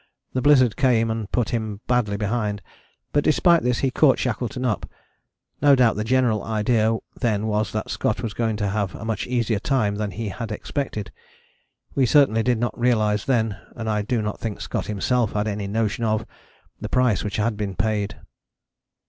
The blizzard came and put him badly behind: but despite this he caught Shackleton up. No doubt the general idea then was that Scott was going to have a much easier time than he had expected. We certainly did not realize then, and I do not think Scott himself had any notion of, the price which had been paid.